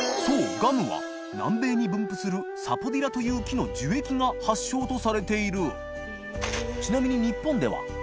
ガムは南米に分布するサポディラ」という木の樹液が発祥とされている磴